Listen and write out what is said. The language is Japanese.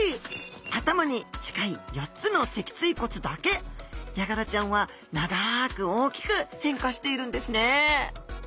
頭に近い４つの脊椎骨だけヤガラちゃんは長く大きく変化しているんですね